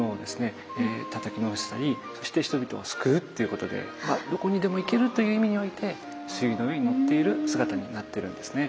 たたき直したりそして人々を救うっていうことでどこにでも行けるという意味において水牛の上に乗っている姿になってるんですね。